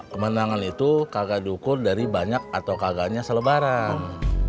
kemenangan itu kagak dukur dari banyak atau kagaknya selebaran